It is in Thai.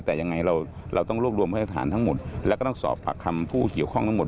แต่ยังไงเราต้องรวบรวมพยาฐานทั้งหมดแล้วก็ต้องสอบปากคำผู้เกี่ยวข้องทั้งหมด